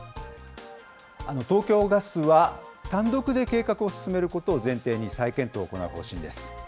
東京ガスは、単独で計画を進めることを前提に再検討を行う方